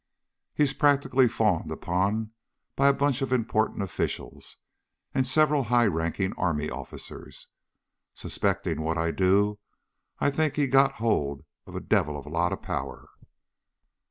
"He's practically fawned upon by a bunch of important officials and several high ranking army officers. Suspecting what I do, I think he's got hold of a devil of a lot of power."